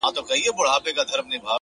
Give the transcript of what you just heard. مینه زړونه نږدې کوي!.